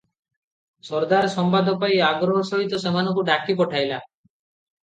ସର୍ଦ୍ଦାର ସମ୍ବାଦ ପାଇ ଆଗ୍ରହସହିତ ସେମାନଙ୍କୁ ଡାକି ପଠାଇଲା ।